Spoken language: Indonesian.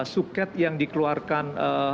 suket yang dikeluarkan